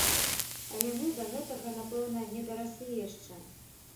Але мы да гэтага, напэўна, не дараслі яшчэ.